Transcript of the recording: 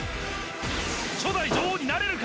初代女王になれるか？